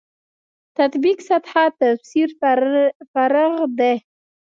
تطبیق سطح تفسیر فرع ده.